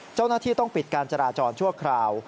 เจ้าหน้าที่ต้องปิดการจราจรชั่วคราว